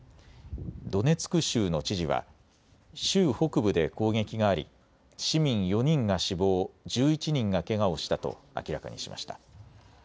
ドネツク州の知事は州北部で攻撃があり市民４人が死亡、１１人がけがをしたと明らかにしました。